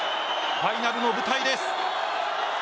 ファイナルの舞台です。